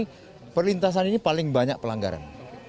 karena perlintasan ini paling banyak pelanggaran